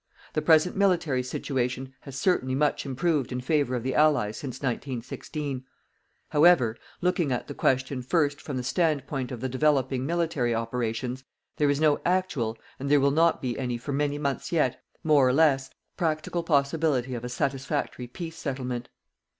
The present military situation has certainly much improved in favour of the Allies since 1916. However, looking at the question, first, from the standpoint of the developing military operations, there is no actual, and there will not be for many months yet more or less practical possibility of a satisfactory peace settlement.